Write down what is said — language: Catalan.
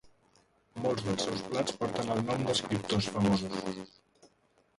Molts dels seus plats porten el nom d'escriptors famosos.